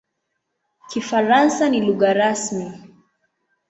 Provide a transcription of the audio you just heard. Kifaransa ni lugha rasmi.